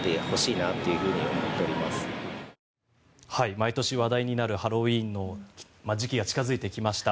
毎年話題になるハロウィーンの時期が近付いてきました。